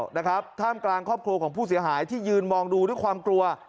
นะครับท่ามกลางครอบครัวของผู้เสียหายที่ยืนมองดูด้วยความกลัว